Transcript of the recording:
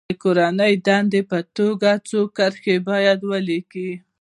د کورنۍ دندې په توګه څو کرښې باید ولیکي.